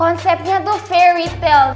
konsepnya tuh fairytale